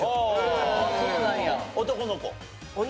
男の子？